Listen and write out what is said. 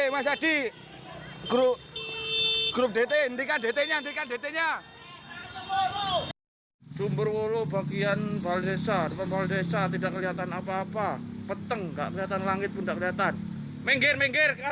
minggir sepeda minggir